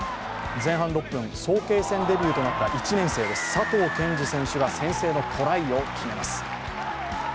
前半６分、早慶戦デビューとなった１年生の佐藤健次選手が先制のトライを決めます。